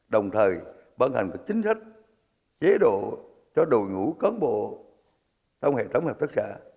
đồng thời bản hành các chính sách chế độ cho đội ngũ cán bộ trong hệ thống hợp tác xã